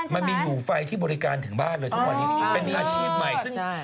มันมีอยู่ไฟที่บริการถึงบ้านเลยทุกวันนี้เป็นอาชีพใหม่